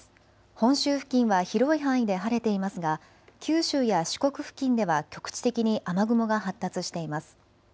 本州付近は広い範囲で晴れていますが九州や四国付近では局地的に雨雲が発達しています。